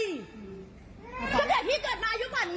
ตั้งแต่พี่เกิดมายุคแบบนี้